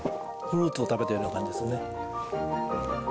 フルーツを食べているような感じですね。